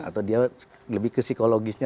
atau dia lebih ke psikologisnya